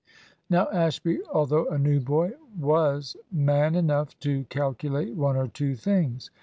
Now Ashby, although a new boy, was man enough to calculate one or two things.